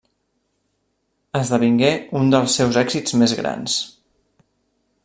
Esdevingué un dels seus èxits més grans.